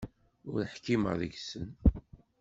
Ur ḥkimeɣ deg-sen.